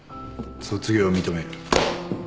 卒業を認める。